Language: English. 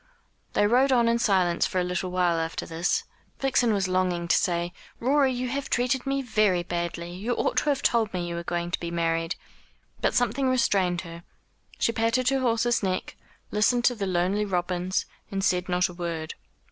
They rode on in silence for a little while after this. Vixen was longing to say: "Rorie, you have treated me very badly. You ought to have told me you were going to be married." But something restrained her. She patted her horse's neck, listened to the lonely robins, and said not a word.